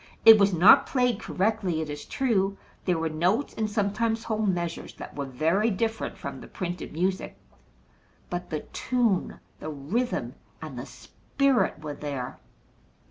It was not played correctly, it is true. There were notes, and sometimes whole measures, that were very different from the printed music. But the tune, the rhythm, and the spirit were there.